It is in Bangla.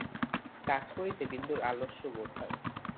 কাজ করিতে বিন্দুর আলস্য বোধ হয়।